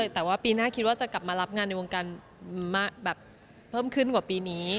แต่ว่าปีหน้าคิดว่าจะกลับมารับงานในวงการแบบเพิ่มขึ้นกว่าปีนี้